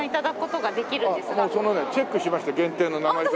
もうそのねチェックしました限定の名前と。